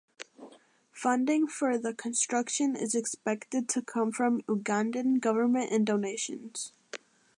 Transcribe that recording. Funding for the construction is expected to come from the Ugandan government and donations.